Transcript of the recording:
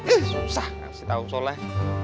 ih susah kasih tau soleh